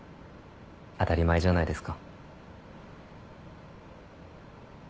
当たり前じゃないですか。